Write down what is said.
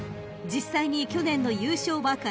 ［実際に去年の優勝馬